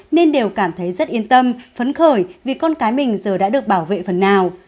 nên đều cảm thấy rất yên tâm phấn khởi vì con cái mình giờ đã được bảo vệ phần nào